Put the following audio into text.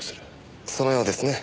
そのようですね。